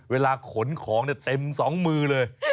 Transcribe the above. เวลาขนของเต็มสองมือเลย